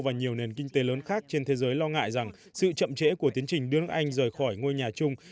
và nhiều nền kinh tế lớn khác trên thế giới lo ngại rằng sự chậm trễ của tiến trình đưa nước anh rời khỏi ngôi nhà chung